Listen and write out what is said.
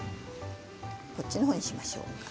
こっちのほうにしましょう。